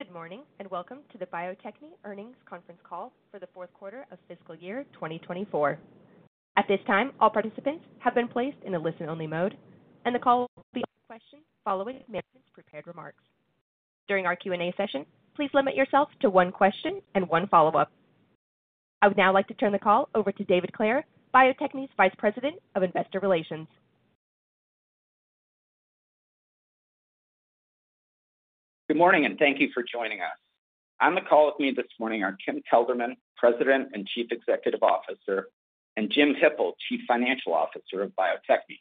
Good morning, and welcome to the Bio-Techne Earnings Conference Call for the fourth quarter of fiscal year 2024. At this time, all participants have been placed in a listen-only mode, and the call will be a question following management's prepared remarks. During our Q&A session, please limit yourself to one question and one follow-up. I would now like to turn the call over to David Clare, Bio-Techne's Vice President of Investor Relations. Good morning, and thank you for joining us. On the call with me this morning are Kim Kelderman, President and Chief Executive Officer, and Jim Hippel, Chief Financial Officer of Bio-Techne.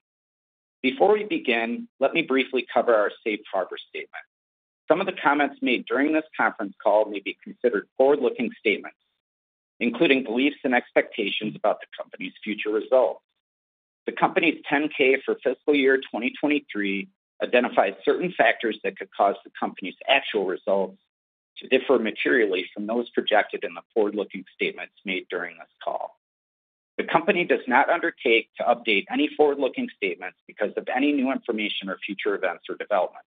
Before we begin, let me briefly cover our safe harbor statement. Some of the comments made during this conference call may be considered forward-looking statements, including beliefs and expectations about the company's future results. The company's 10-K for fiscal year 2023 identified certain factors that could cause the company's actual results to differ materially from those projected in the forward-looking statements made during this call. The company does not undertake to update any forward-looking statements because of any new information or future events or developments.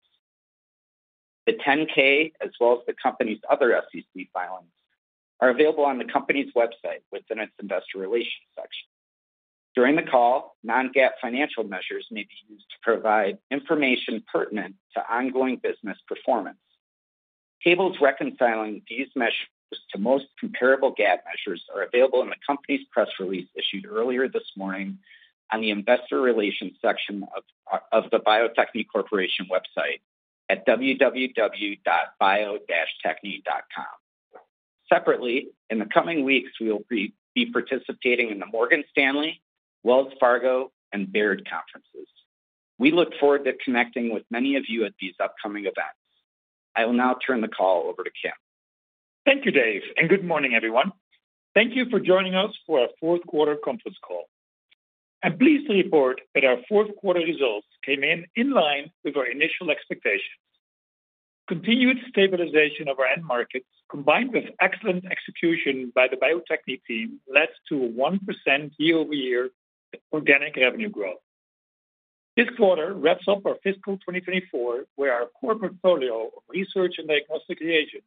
The 10-K, as well as the company's other SEC filings, are available on the company's website within its investor relations section. During the call, non-GAAP financial measures may be used to provide information pertinent to ongoing business performance. Tables reconciling these measures to most comparable GAAP measures are available in the company's press release, issued earlier this morning on the investor relations section of the Bio-Techne Corporation website at www.bio-techne.com. Separately, in the coming weeks, we will be participating in the Morgan Stanley, Wells Fargo, and Baird conferences. We look forward to connecting with many of you at these upcoming events. I will now turn the call over to Kim. Thank you, Dave, and good morning, everyone. Thank you for joining us for our fourth quarter conference call. I'm pleased to report that our fourth quarter results came in in line with our initial expectations. Continued stabilization of our end markets, combined with excellent execution by the Bio-Techne team, led to a 1% year-over-year organic revenue growth. This quarter wraps up our fiscal 2024, where our core portfolio of research and diagnostic reagents,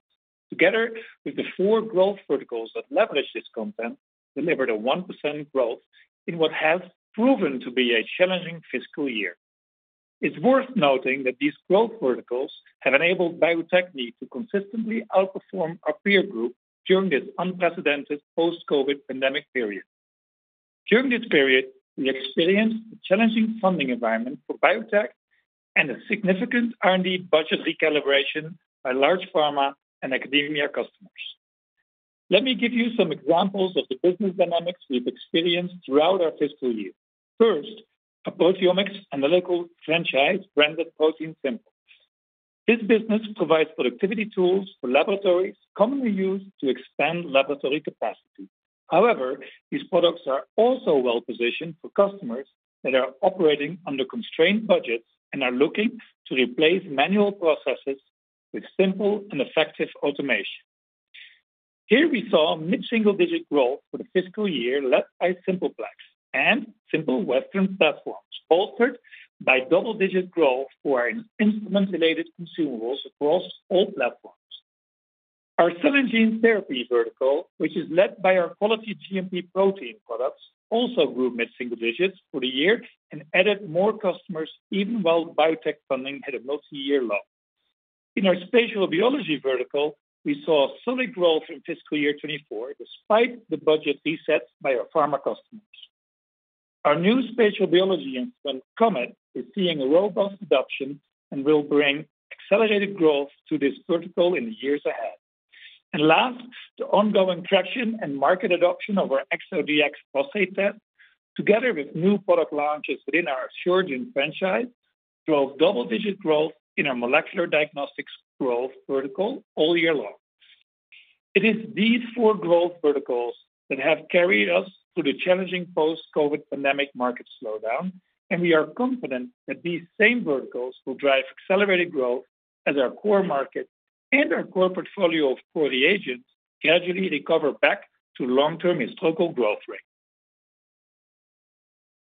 together with the four growth verticals that leverage this content, delivered a 1% growth in what has proven to be a challenging fiscal year. It's worth noting that these growth verticals have enabled Bio-Techne to consistently outperform our peer group during this unprecedented post-COVID pandemic period. During this period, we experienced a challenging funding environment for biotech and a significant R&D budget recalibration by large pharma and academia customers. Let me give you some examples of the business dynamics we've experienced throughout our fiscal year. First, our proteomics analytical franchise, branded ProteinSimple. This business provides productivity tools for laboratories commonly used to expand laboratory capacity. However, these products are also well-positioned for customers that are operating under constrained budgets and are looking to replace manual processes with simple and effective automation. Here we saw mid-single-digit growth for the fiscal year, led by Simple Plex and Simple Western platforms, bolstered by double-digit growth for our instrument-related consumables across all platforms. Our cell and gene therapy vertical, which is led by our quality GMP protein products, also grew mid-single digits for the year and added more customers, even while biotech funding hit a multi-year low. In our spatial biology vertical, we saw solid growth in fiscal year 2024, despite the budget resets by our pharma customers. Our new spatial biology instrument, COMET, is seeing a robust adoption and will bring accelerated growth to this vertical in the years ahead. And last, the ongoing traction and market adoption of our ExoDx Prostate Test, together with new product launches within our Asuragen franchise, drove double-digit growth in our molecular diagnostics growth vertical all year long. It is these four growth verticals that have carried us through the challenging post-COVID pandemic market slowdown, and we are confident that these same verticals will drive accelerated growth as our core market and our core portfolio of core reagents gradually recover back to long-term historical growth rate.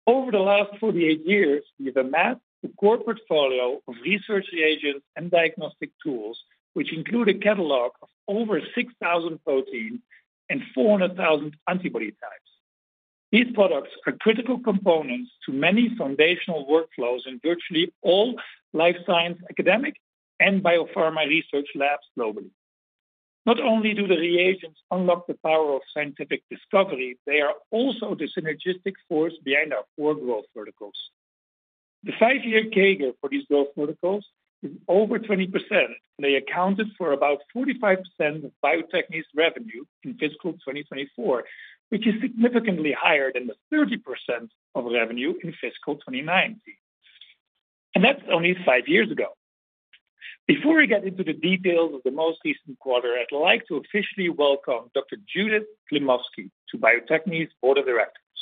Over the last 48 years, we've amassed a core portfolio of research reagents and diagnostic tools, which include a catalog of over 6,000 proteins and 400,000 antibody types. These products are critical components to many foundational workflows in virtually all life science, academic, and biopharma research labs globally. Not only do the reagents unlock the power of scientific discovery, they are also the synergistic force behind our four growth verticals. The five year CAGR for these growth verticals is over 20%. They accounted for about 45% of Bio-Techne's revenue in fiscal 2024, which is significantly higher than the 30% of revenue in fiscal 2019. That's only five years ago. Before we get into the details of the most recent quarter, I'd like to officially welcome Dr. Judith Klimovsky to Bio-Techne's board of directors.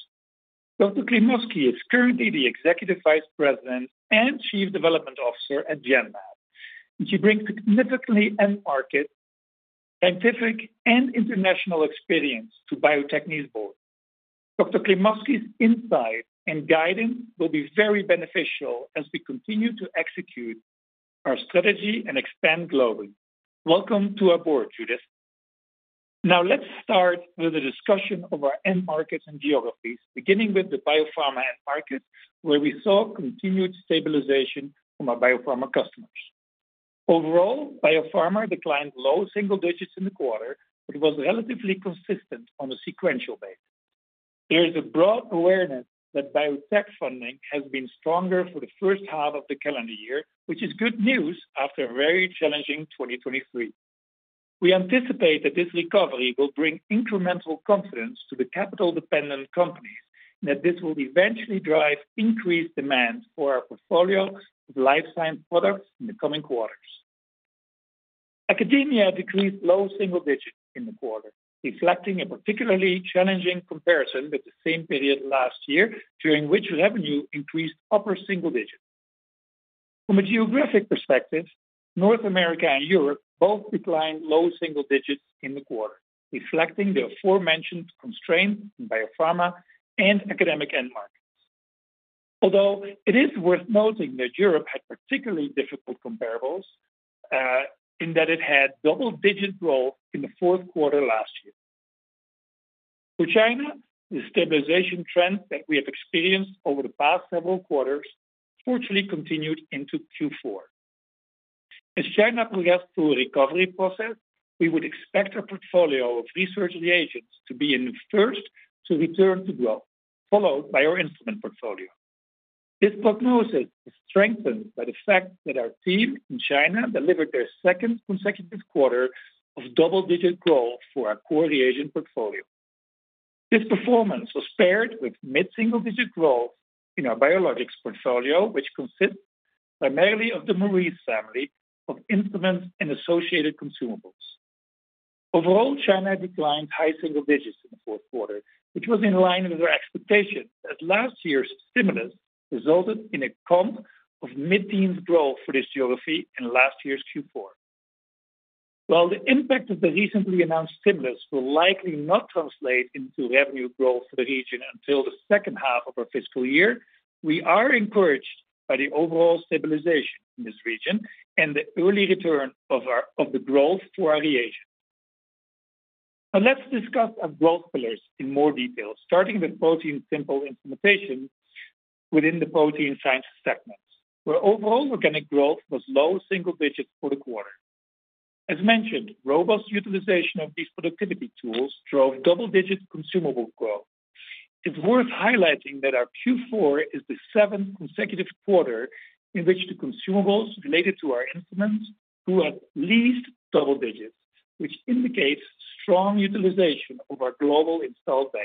Dr. Klimovsky is currently the Executive Vice President and Chief Development Officer at Genmab, and she brings significantly end market, scientific, and international experience to Bio-Techne's board. Dr. Klimovsky's insight and guidance will be very beneficial as we continue to execute our strategy and expand globally. Welcome to our board, Judith. Now, let's start with a discussion of our end markets and geographies, beginning with the biopharma end market, where we saw continued stabilization from our biopharma customers. Overall, biopharma declined low single digits in the quarter, but it was relatively consistent on a sequential basis. There is a broad awareness that biotech funding has been stronger for the first half of the calendar year, which is good news after a very challenging 2023. We anticipate that this recovery will bring incremental confidence to the capital-dependent companies, and that this will eventually drive increased demand for our portfolio of life science products in the coming quarters. Academia decreased low single digits in the quarter, reflecting a particularly challenging comparison with the same period last year, during which revenue increased upper single digits. From a geographic perspective, North America and Europe both declined low single digits in the quarter, reflecting the aforementioned constraints in biopharma and academic end markets. Although it is worth noting that Europe had particularly difficult comparables, in that it had double-digit growth in the fourth quarter last year. For China, the stabilization trend that we have experienced over the past several quarters fortunately continued into Q4. As China progress through recovery process, we would expect our portfolio of research reagents to be in the first to return to growth, followed by our instrument portfolio. This prognosis is strengthened by the fact that our team in China delivered their second consecutive quarter of double-digit growth for our core reagent portfolio. This performance was paired with mid-single-digit growth in our biologics portfolio, which consists primarily of the Maurice family of instruments and associated consumables. Overall, China declined high single digits in the fourth quarter, which was in line with our expectations, as last year's stimulus resulted in a comp of mid-teens growth for this geography in last year's Q4. While the impact of the recently announced stimulus will likely not translate into revenue growth for the region until the second half of our fiscal year, we are encouraged by the overall stabilization in this region and the early return of our growth to our reagents. Now, let's discuss our growth pillars in more detail, starting with ProteinSimple instrumentation within the Protein Science segment, where overall organic growth was low single digits for the quarter. As mentioned, robust utilization of these productivity tools drove double-digit consumable growth. It's worth highlighting that our Q4 is the seventh consecutive quarter in which the consumables related to our instruments grew at least double digits, which indicates strong utilization of our global installed base.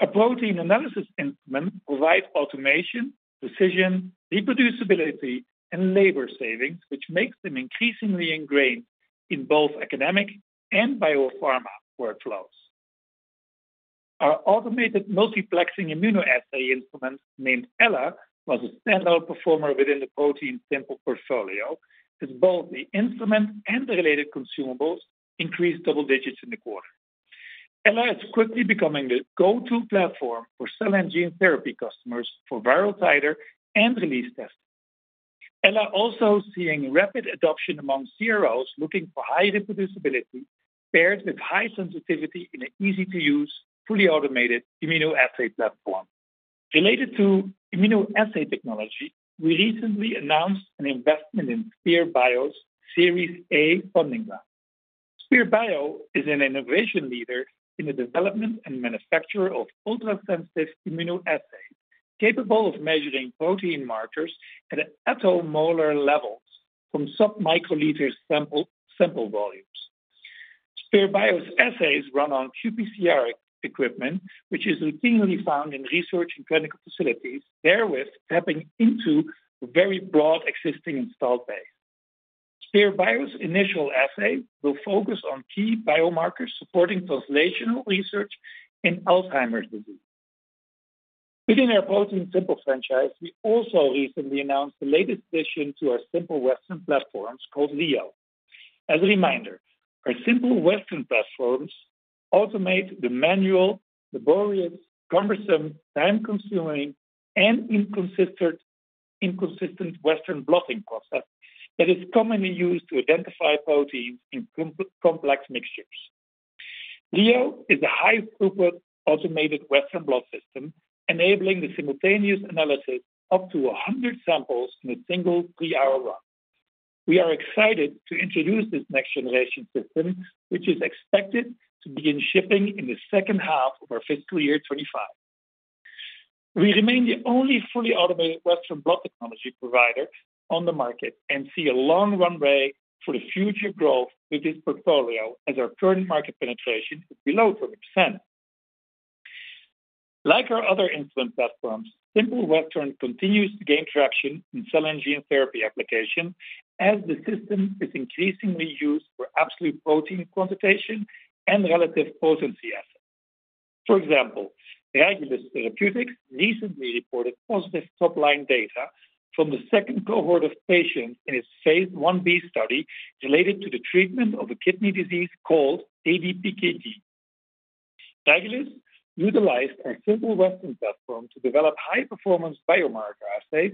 Our protein analysis instrument provides automation, precision, reproducibility, and labor savings, which makes them increasingly ingrained in both academic and biopharma workflows. Our automated multiplexing immunoassay instrument, named Ella, was a standout performer within the ProteinSimple portfolio, as both the instrument and the related consumables increased double digits in the quarter. Ella is quickly becoming the go-to platform for cell and gene therapy customers for viral titer and release testing. Ella also seeing rapid adoption among CROs looking for high reproducibility, paired with high sensitivity in an easy-to-use, fully automated immunoassay platform. Related to immunoassay technology, we recently announced an investment in Spear Bio's Series A funding round. Spear Bio is an innovation leader in the development and manufacture of ultrasensitive immunoassays, capable of measuring protein markers at attomolar levels from sub-microliter sample volumes. Spear Bio's assays run on qPCR equipment, which is routinely found in research and clinical facilities, therewith tapping into a very broad existing installed base. Spear Bio's initial assay will focus on key biomarkers supporting translational research in Alzheimer's disease. Within our ProteinSimple franchise, we also recently announced the latest addition to our Simple Western platforms called Leo. As a reminder, our Simple Western platforms automate the manual, laborious, cumbersome, time-consuming, and inconsistent Western blotting process that is commonly used to identify proteins in complex mixtures. Leo is a high-throughput automated Western blot system, enabling the simultaneous analysis of up to 100 samples in a single three-hour run. We are excited to introduce this next-generation system, which is expected to begin shipping in the second half of our fiscal year 2025. We remain the only fully automated Western blot technology provider on the market and see a long runway for the future growth with this portfolio, as our current market penetration is below 30%. Like our other instrument platforms, Simple Western continues to gain traction in cell and gene therapy application, as the system is increasingly used for absolute protein quantitation and relative potency assays. For example, Regulus Therapeutics recently reported positive top-line data from the second cohort of patients in its phase Ib study related to the treatment of a kidney disease called ADPKD. Regulus utilized our Simple Western platform to develop high-performance biomarker assays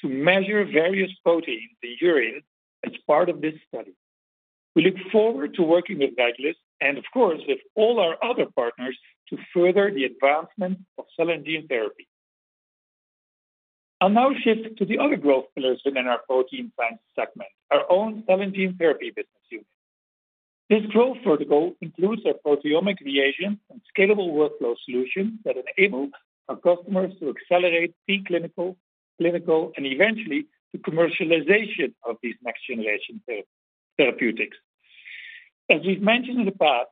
to measure various proteins in urine as part of this study. We look forward to working with Regulus and, of course, with all our other partners to further the advancement of cell and gene therapy. I'll now shift to the other growth pillars within Protein Sciences segment, our own cell and gene therapy business unit. This growth vertical includes our proteomic reagents and scalable workflow solutions that enable our customers to accelerate preclinical, clinical, and eventually the commercialization of these next-generation therapeutics. As we've mentioned in the past,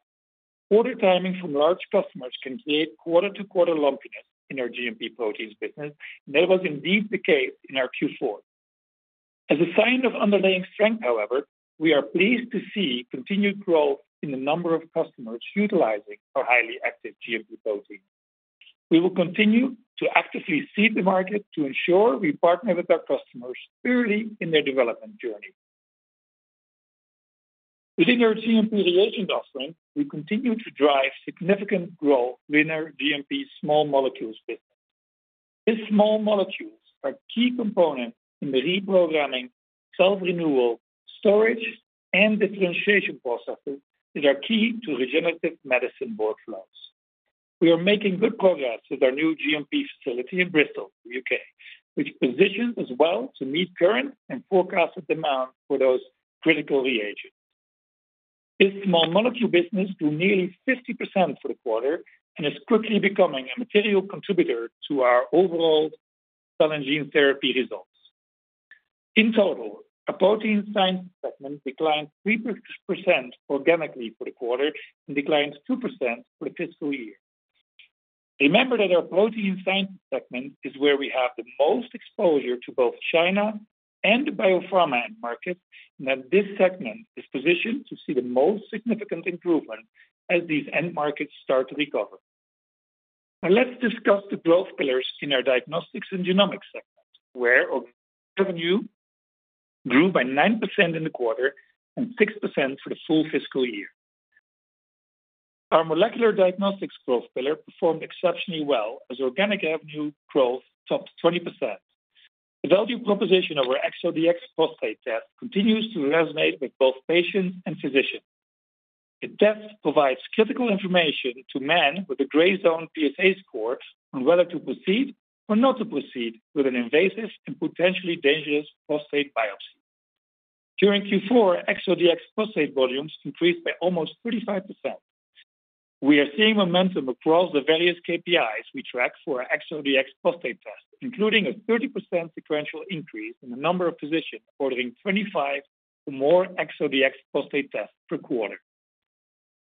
order timing from large customers can create quarter-to-quarter lumpiness in our GMP proteins business, and that was indeed the case in our Q4. As a sign of underlying strength, however, we are pleased to see continued growth in the number of customers utilizing our highly active GMP proteins. We will continue to actively seek the market to ensure we partner with our customers early in their development journey. Within our GMP reagent offering, we continue to drive significant growth in our GMP small molecules business. These small molecules are key components in the reprogramming, self-renewal, storage, and differentiation processes that are key to regenerative medicine workflows. We are making good progress with our new GMP facility in Bristol, U.K., which positions us well to meet current and forecasted demand for those critical reagents. This small molecule business grew nearly 50% for the quarter and is quickly becoming a material contributor to our overall cell and gene therapy results. In total, our Protein Sciences segment declined 3% organically for the quarter and declined 2% for the fiscal year. Remember that our Protein Sciences segment is where we have the most exposure to both China and the biopharma end market, and that this segment is positioned to see the most significant improvement as these end markets start to recover. Now, let's discuss the growth pillars in our diagnostics and genomics segment, where our revenue grew by 9% in the quarter and 6% for the full fiscal year. Our molecular diagnostics growth pillar performed exceptionally well as organic avenue growth topped 20%. The value proposition of our ExoDx Prostate Test continues to resonate with both patients and physicians. The test provides critical information to men with a gray zone PSA score on whether to proceed or not to proceed with an invasive and potentially dangerous prostate biopsy. During Q4, ExoDx Prostate volumes increased by almost 35%. We are seeing momentum across the various KPIs we track for our ExoDx Prostate Test, including a 30% sequential increase in the number of physicians ordering 25 or more ExoDx Prostate Tests per quarter.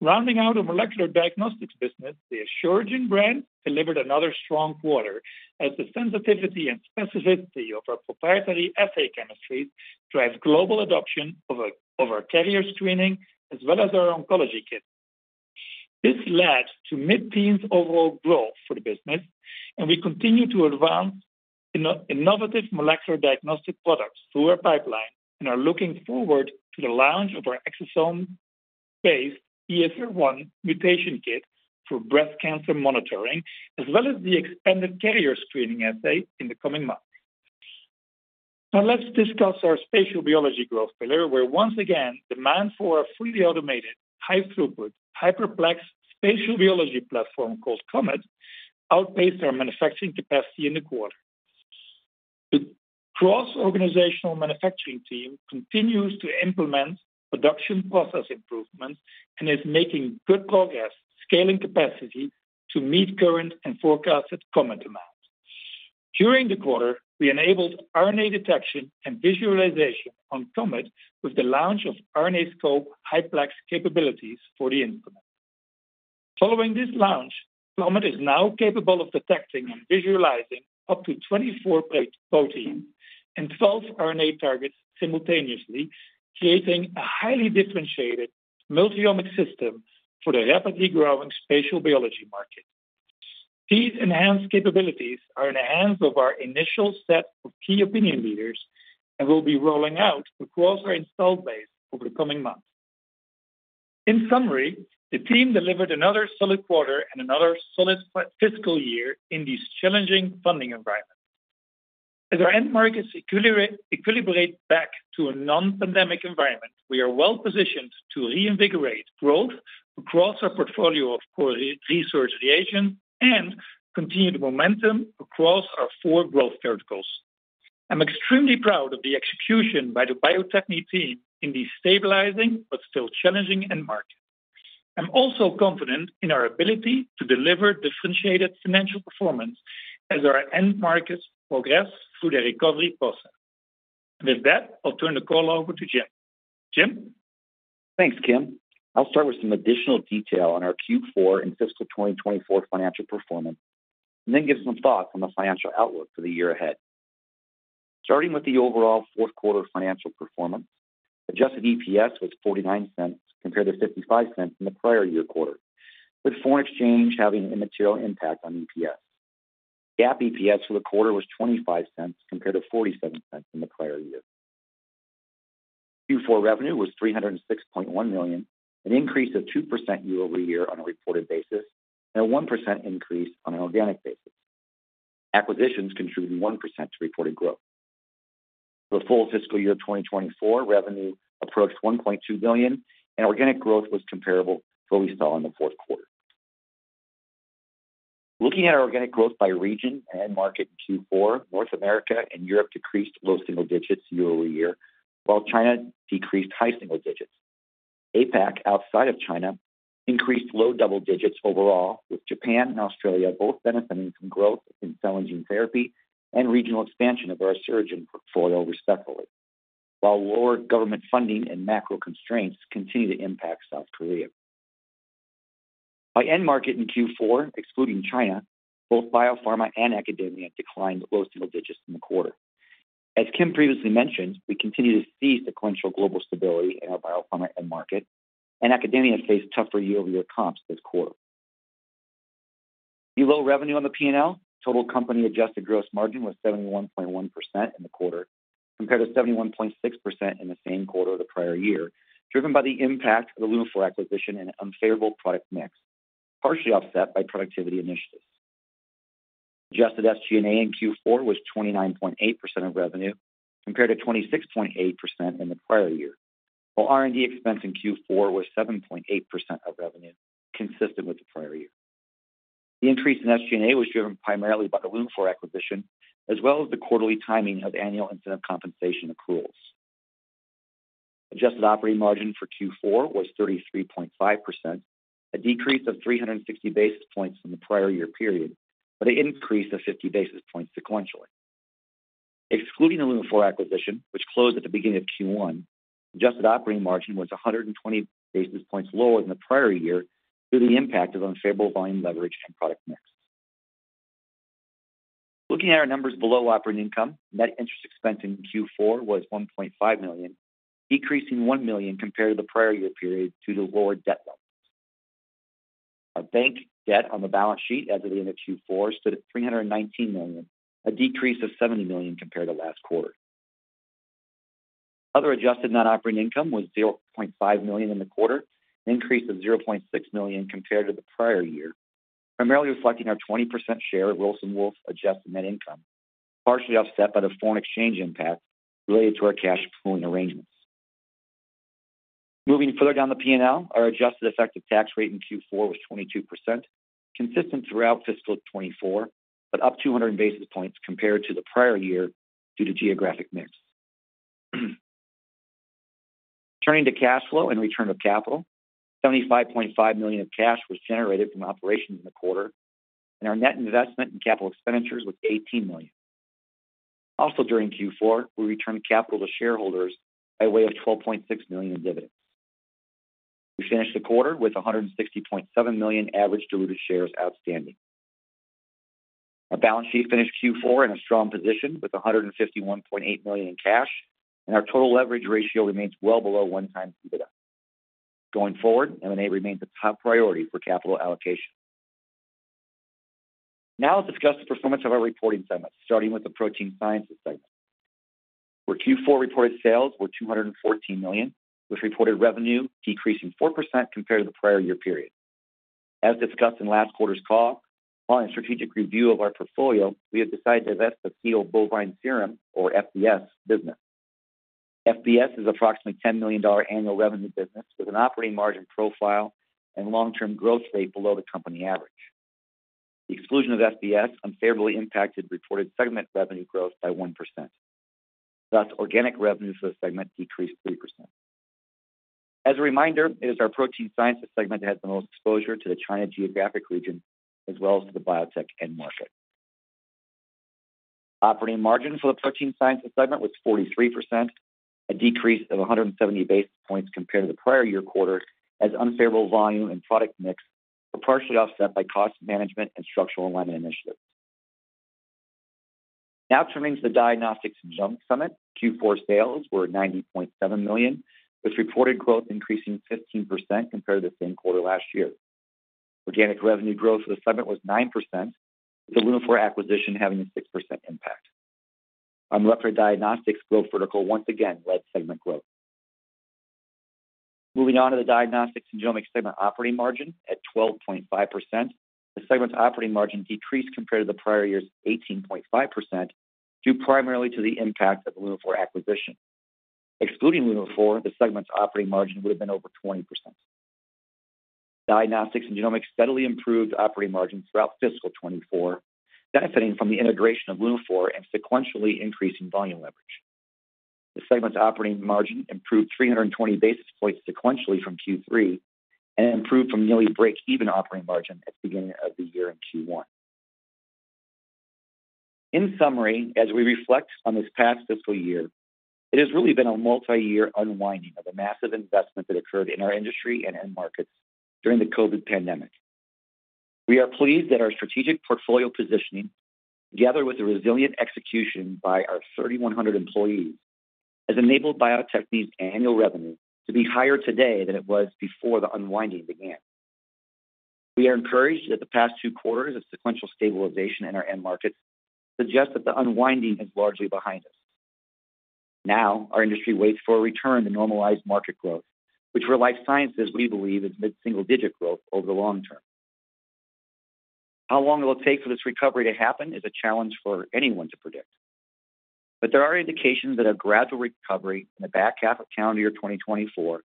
Rounding out our molecular diagnostics business, the Asuragen brand delivered another strong quarter as the sensitivity and specificity of our proprietary assay chemistry drives global adoption of our carrier screening as well as our oncology kits. This led to mid-teens overall growth for the business, and we continue to advance innovative molecular diagnostic products through our pipeline and are looking forward to the launch of our exosome-based ESR1 mutation kit for breast cancer monitoring, as well as the expanded carrier screening assay in the coming months. Now, let's discuss our spatial biology growth pillar, where once again, demand for our fully automated, high-throughput, hyperplex spatial biology platform, called COMET, outpaced our manufacturing capacity in the quarter. The cross-organizational manufacturing team continues to implement production process improvements and is making good progress scaling capacity to meet current and forecasted COMET demands. During the quarter, we enabled RNA detection and visualization on COMET with the launch of RNAscope high-plex capabilities for the instrument. Following this launch, COMET is now capable of detecting and visualizing up to 24 protein and 12 RNA targets simultaneously, creating a highly differentiated multi-omics system for the rapidly growing spatial biology market. These enhanced capabilities are in the hands of our initial set of key opinion leaders and will be rolling out across our installed base over the coming months. In summary, the team delivered another solid quarter and another solid fiscal year in this challenging funding environment. As our end markets equilibrate back to a non-pandemic environment, we are well positioned to reinvigorate growth across our portfolio of research reagent and continued momentum across our four growth verticals. I'm extremely proud of the execution by the Bio-Techne team in these stabilizing but still challenging end markets. I'm also confident in our ability to deliver differentiated financial performance as our end markets progress through their recovery process. And with that, I'll turn the call over to Jim. Jim? Thanks, Kim. I'll start with some additional detail on our Q4 and fiscal 2024 financial performance, and then give some thoughts on the financial outlook for the year ahead. Starting with the overall fourth quarter financial performance. Adjusted EPS was $0.49 compared to $0.55 in the prior year quarter, with foreign exchange having a material impact on EPS. GAAP EPS for the quarter was $0.25 compared to $0.47 in the prior year. Q4 revenue was $306.1 million, an increase of 2% year-over-year on a reported basis, and a 1% increase on an organic basis. Acquisitions contributed 1% to reported growth. For the full fiscal year 2024, revenue approached $1.2 billion, and organic growth was comparable to what we saw in the fourth quarter. Looking at our organic growth by region and end market in Q4, North America and Europe decreased low single digits year-over-year, while China decreased high single digits. APAC, outside of China, increased low double digits overall, with Japan and Australia both benefiting from growth in cell and gene therapy and regional expansion of our Asuragen portfolio, respectively, while lower government funding and macro constraints continue to impact South Korea. By end market in Q4, excluding China, both biopharma and academia declined low single digits in the quarter. As Kim previously mentioned, we continue to see sequential global stability in our biopharma end market, and academia faced tougher year-over-year comps this quarter. Below revenue on the P&L, total company adjusted gross margin was 71.1% in the quarter, compared to 71.6% in the same quarter of the prior year, driven by the impact of the Lunaphore acquisition and unfavorable product mix, partially offset by productivity initiatives. Adjusted SG&A in Q4 was 29.8% of revenue, compared to 26.8% in the prior year, while R&D expense in Q4 was 7.8% of revenue, consistent with the prior year. The increase in SG&A was driven primarily by the Lunaphore acquisition, as well as the quarterly timing of annual incentive compensation accruals. Adjusted operating margin for Q4 was 33.5%, a decrease of 360 basis points from the prior year period, but an increase of 50 basis points sequentially. Excluding the Lunaphore acquisition, which closed at the beginning of Q1, adjusted operating margin was 100 basis points lower than the prior year due to the impact of unfavorable volume leverage and product mix. Looking at our numbers below operating income, net interest expense in Q4 was $1.5 million, decreasing $1 million compared to the prior year period due to lower debt levels. Our bank debt on the balance sheet as of the end of Q4 stood at $319 million, a decrease of $70 million compared to last quarter. Other adjusted net operating income was $0.5 million in the quarter, an increase of $0.6 million compared to the prior year, primarily reflecting our 20% share of Wilson Wolf's adjusted net income, partially offset by the foreign exchange impact related to our cash flowing arrangements. Moving further down the P&L, our adjusted effective tax rate in Q4 was 22%, consistent throughout fiscal 2024, but up 200 basis points compared to the prior year due to geographic mix. Turning to cash flow and return of capital, $75.5 million of cash was generated from operations in the quarter, and our net investment in capital expenditures was $18 million. Also, during Q4, we returned capital to shareholders by way of $12.6 million in dividends. We finished the quarter with 160.7 million average diluted shares outstanding. Our balance sheet finished Q4 in a strong position with $151.8 million in cash, and our total leverage ratio remains well below 1x EBITDA. Going forward, M&A remains a top priority for capital allocation. Now, let's discuss the performance of our reporting segments, starting with the Protein Sciences segment, where Q4 reported sales were $214 million, with reported revenue decreasing 4% compared to the prior year period. As discussed in last quarter's call, while in strategic review of our portfolio, we have decided to divest the Fetal Bovine Serum, or FBS, business. FBS is approximately $10 million annual revenue business with an operating margin profile and long-term growth rate below the company average. The exclusion of FBS unfavorably impacted reported segment revenue growth by 1%. Thus, organic revenues for the segment decreased 3%. As a reminder, it is our Protein Sciences segment that has the most exposure to the China geographic region as well as to the biotech end market. Operating margin for the Protein Sciences segment was 43%, a decrease of 170 basis points compared to the prior year quarter, as unfavorable volume and product mix were partially offset by cost management and structural alignment initiatives. Now, turning to the diagnostics and genomics segment. Q4 sales were $90.7 million, with reported growth increasing 15% compared to the same quarter last year. Organic revenue growth for the segment was 9%, with the Lunaphore acquisition having a 6% impact. Our molecular diagnostics growth vertical once again led segment growth. Moving on to the diagnostics and genomics segment operating margin at 12.5%. The segment's operating margin decreased compared to the prior year's 18.5%, due primarily to the impact of the Lunaphore acquisition. Excluding Lunaphore, the segment's operating margin would have been over 20%. Diagnostics and genomics steadily improved operating margins throughout fiscal 2024, benefiting from the integration of Lunaphore and sequentially increasing volume leverage. The segment's operating margin improved 300 basis points sequentially from Q3 and improved from nearly breakeven operating margin at the beginning of the year in Q1. In summary, as we reflect on this past fiscal year, it has really been a multiyear unwinding of the massive investment that occurred in our industry and end markets during the COVID pandemic. We are pleased that our strategic portfolio positioning, together with the resilient execution by our 3,100 employees, has enabled Bio-Techne's annual revenue to be higher today than it was before the unwinding began. We are encouraged that the past two quarters of sequential stabilization in our end markets suggest that the unwinding is largely behind us. Now, our industry waits for a return to normalized market growth, which for life sciences, we believe, is mid-single digit growth over the long term. How long it will take for this recovery to happen is a challenge for anyone to predict, but there are indications that a gradual recovery in the back half of calendar year 2024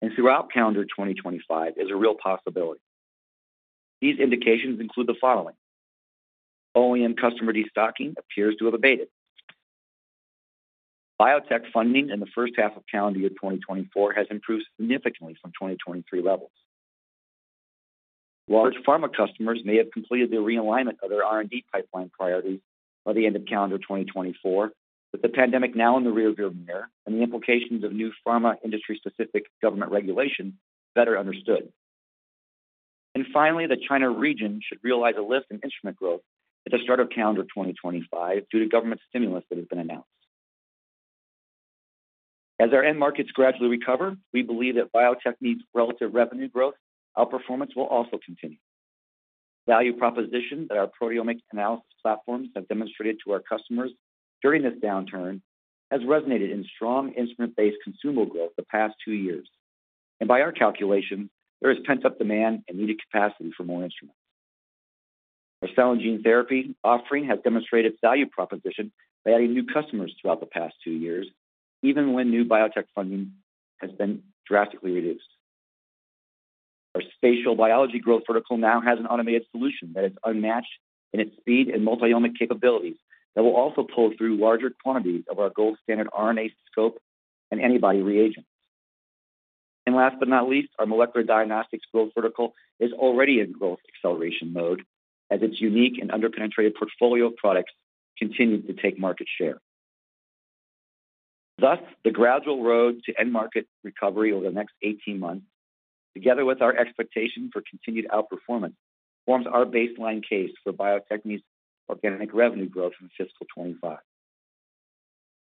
and throughout calendar 2025 is a real possibility. These indications include the following: OEM customer destocking appears to have abated. Biotech funding in the first half of calendar year 2024 has improved significantly from 2023 levels, while large pharma customers may have completed the realignment of their R&D pipeline priorities by the end of calendar 2024, with the pandemic now in the rearview mirror and the implications of new pharma industry-specific government regulation better understood. And finally, the China region should realize a lift in instrument growth at the start of calendar 2025 due to government stimulus that has been announced. As our end markets gradually recover, we believe that Bio-Techne's relative revenue growth outperformance will also continue. Value proposition that our proteomic analysis platforms have demonstrated to our customers during this downturn has resonated in strong instrument-based consumable growth the past two years, and by our calculation, there is pent-up demand and needed capacity for more instruments. Our cell and gene therapy offering has demonstrated value proposition by adding new customers throughout the past two years, even when new biotech funding has been drastically reduced. Our spatial biology growth vertical now has an automated solution that is unmatched in its speed and multi-omics capabilities, that will also pull through larger quantities of our gold standard RNAscope and antibody reagents. And last but not least, our molecular diagnostics growth vertical is already in growth acceleration mode, as its unique and underpenetrated portfolio of products continue to take market share. Thus, the gradual road to end market recovery over the next 18 months, together with our expectation for continued outperformance, forms our baseline case for Bio-Techne's organic revenue growth in fiscal 2025.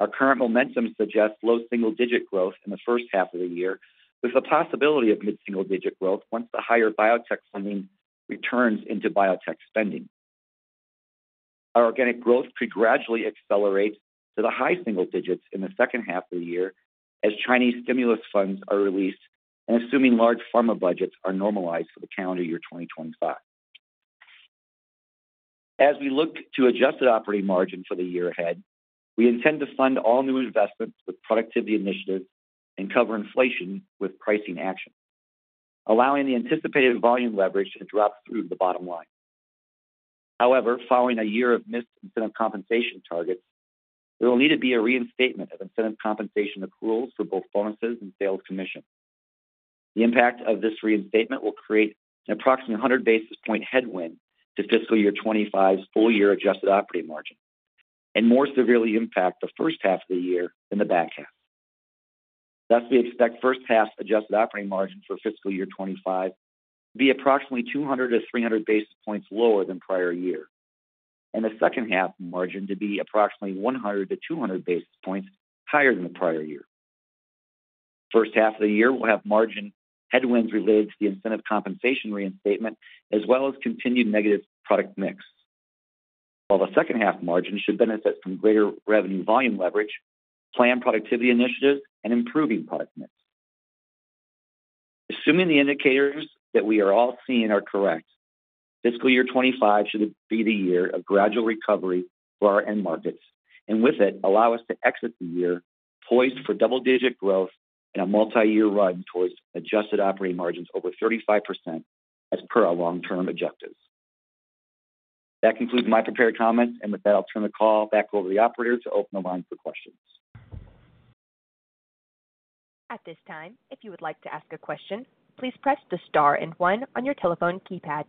Our current momentum suggests low single-digit growth in the first half of the year, with the possibility of mid-single digit growth once the higher biotech funding returns into biotech spending. Our organic growth could gradually accelerate to the high single digits in the second half of the year, as Chinese stimulus funds are released and assuming large pharma budgets are normalized for the calendar year 2025. As we look to adjusted operating margin for the year ahead, we intend to fund all new investments with productivity initiatives and cover inflation with pricing actions, allowing the anticipated volume leverage to drop through to the bottom line. However, following a year of missed incentive compensation targets, there will need to be a reinstatement of incentive compensation accruals for both bonuses and sales commissions. The impact of this reinstatement will create an approximately 100 basis points headwind to fiscal year 2025's full-year adjusted operating margin, and more severely impact the first half of the year than the back half. Thus, we expect first half adjusted operating margin for fiscal year 2025 to be approximately 200-300 basis points lower than prior year, and the second half margin to be approximately 100-200 basis points higher than the prior year. First half of the year, we'll have margin headwinds related to the incentive compensation reinstatement, as well as continued negative product mix. While the second half margin should benefit from greater revenue volume leverage, planned productivity initiatives, and improving product mix. Assuming the indicators that we are all seeing are correct, fiscal year 2025 should be the year of gradual recovery for our end markets, and with it, allow us to exit the year poised for double-digit growth and a multiyear run towards adjusted operating margins over 35%, as per our long-term objectives. That concludes my prepared comments, and with that, I'll turn the call back over to the operator to open the line for questions. At this time, if you would like to ask a question, please press the star and one on your telephone keypad.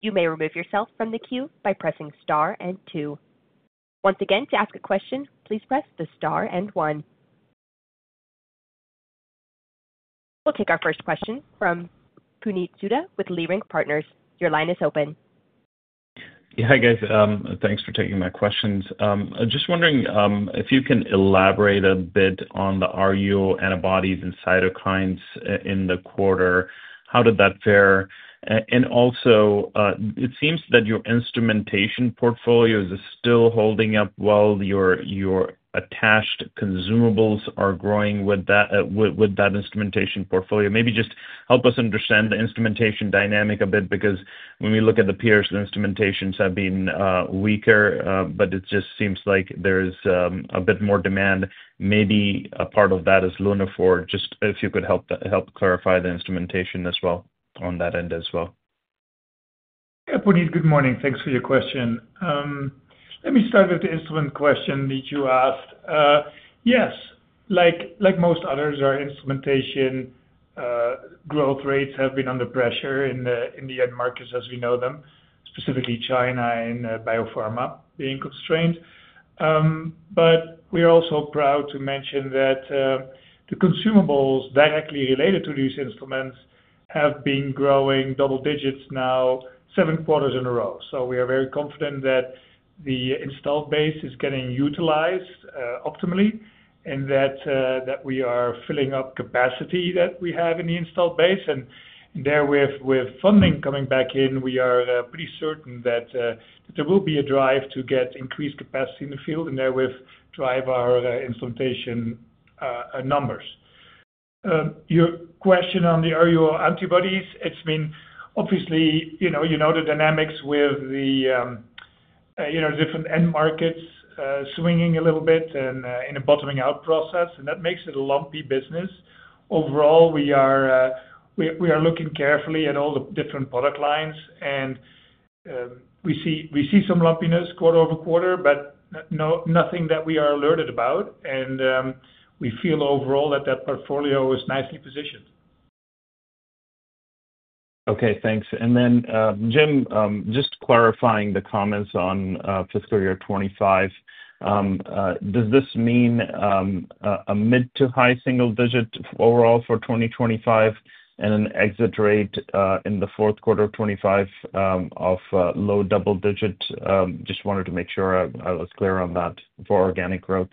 You may remove yourself from the queue by pressing star and two. Once again, to ask a question, please press the star and one. We'll take our first question from Puneet Souda with Leerink Partners. Your line is open. Yeah. Hi, guys. Thanks for taking my questions. Just wondering, if you can elaborate a bit on the RUO antibodies and cytokines in the quarter. How did that fare? And also, it seems that your instrumentation portfolios are still holding up while your, your attached consumables are growing with that, with that instrumentation portfolio. Maybe just help us understand the instrumentation dynamic a bit, because when we look at the peers, instrumentations have been weaker, but it just seems like there's a bit more demand. Maybe a part of that is Lunaphore. Just if you could help, help clarify the instrumentation as well, on that end as well. Yeah, Puneet, good morning. Thanks for your question. Let me start with the instrument question that you asked. Yes, like, like most others, our instrumentation growth rates have been under pressure in the end markets as we know them. Specifically, China and biopharma being constrained. But we are also proud to mention that the consumables directly related to these instruments have been growing double digits now, seven quarters in a row. So we are very confident that the installed base is getting utilized optimally, and that we are filling up capacity that we have in the installed base. And therewith, with funding coming back in, we are pretty certain that there will be a drive to get increased capacity in the field, and therewith, drive our implementation numbers. Your question on the RUO antibodies, it's been obviously, you know, the dynamics with the different end markets swinging a little bit and in a bottoming out process, and that makes it a lumpy business. Overall, we are looking carefully at all the different product lines, and we see some lumpiness quarter-over-quarter, but no, nothing that we are alerted about. We feel overall that that portfolio is nicely positioned. Okay, thanks. Then, Jim, just clarifying the comments on fiscal year 2025. Does this mean a mid- to high single-digit overall for 2025 and an exit rate in the fourth quarter of 2025 of low double-digit? Just wanted to make sure I was clear on that for organic growth.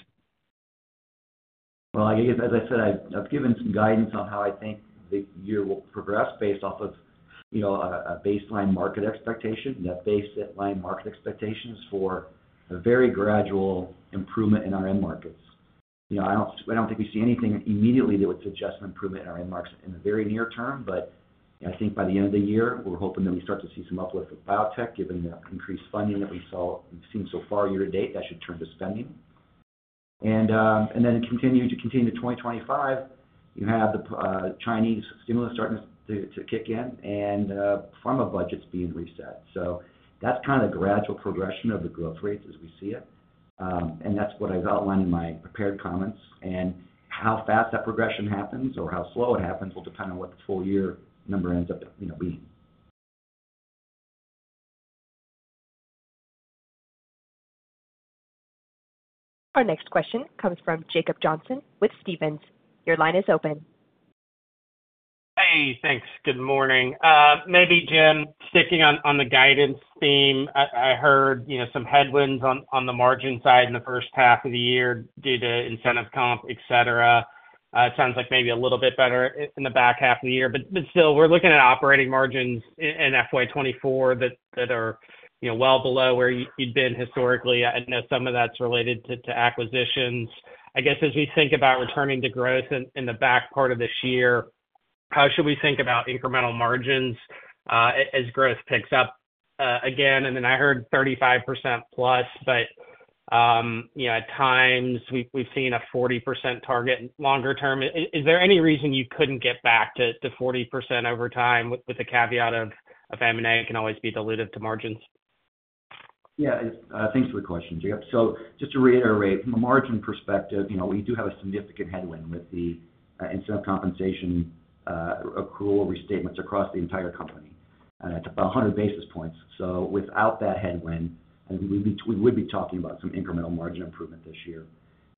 Well, I guess, as I said, I've given some guidance on how I think the year will progress based off of, you know, a baseline market expectation, and that baseline market expectation is for a very gradual improvement in our end markets. You know, I don't think we see anything immediately that would suggest an improvement in our end markets in the very near term, but I think by the end of the year, we're hoping that we start to see some uplift with biotech, given the increased funding that we've seen so far year to date, that should turn to spending. And then continue to 2025, you have the Chinese stimulus starting to kick in and pharma budgets being reset. So that's kind of the gradual progression of the growth rates as we see it. And that's what I've outlined in my prepared comments. And how fast that progression happens or how slow it happens, will depend on what the full-year number ends up, you know, being. Our next question comes from Jacob Johnson with Stephens. Your line is open. Hey, thanks. Good morning. Maybe, Jim, sticking on the guidance theme. I heard, you know, some headwinds on the margin side in the first half of the year due to incentive comp, et cetera. It sounds like maybe a little bit better in the back half of the year, but still, we're looking at operating margins in FY 2024 that are, you know, well below where you'd been historically. I know some of that's related to acquisitions. I guess, as we think about returning to growth in the back part of this year, how should we think about incremental margins as growth picks up again? And then I heard 35% plus, but you know, at times we've seen a 40% target longer term. Is there any reason you couldn't get back to 40% over time with the caveat of M&A can always be dilutive to margins? Yeah, it's, thanks for the question, Jacob. So just to reiterate, from a margin perspective, you know, we do have a significant headwind with the, incentive compensation, accrual restatements across the entire company, and it's about 100 basis points. So without that headwind, I believe we, we would be talking about some incremental margin improvement this year.